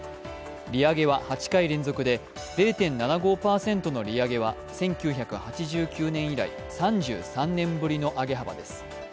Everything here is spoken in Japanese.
利上げは８回連続で０．７５％の利上げは１９８９年以来３３年ぶりの上げ幅です。